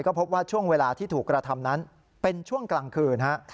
ก็พบว่าช่วงเวลาที่ถูกกระทำนั้นเป็นช่วงกลางคืนฮะ